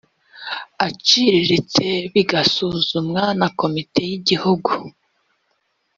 aciriritse bigasuzumwa na komite y igihugu